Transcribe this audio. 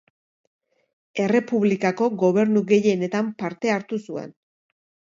Errepublikako gobernu gehienetan parte hartu zuen.